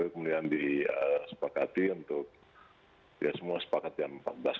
kemudian disepakati untuk ya semua sepakat jam empat belas